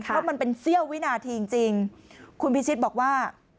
เพราะมันเป็นเสี้ยววินาทีจริงคุณพิชิตบอกว่า